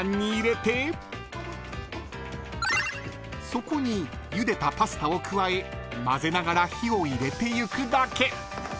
［そこにゆでたパスタを加えまぜながら火を入れていくだけ］